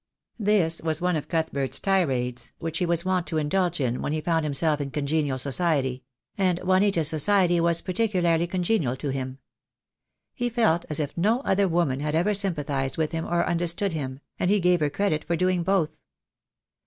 This was one of Cuthbert's tirades, which he was wont to indulge in when he found himself in congenial society; and Juanita's society was particularly congenial to him. He felt as if no other woman had ever sym pathised with him or understood him — and he gave her credit for doing both.